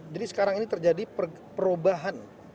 jadi sekarang ini terjadi perubahan